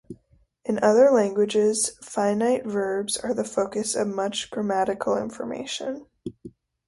In other languages, finite verbs are the locus of much grammatical information.